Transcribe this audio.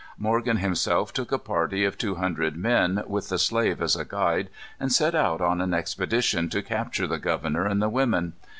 Morgan himself took a party of two hundred men, with the slave as a guide, and set out on an expedition to capture the governor and the women.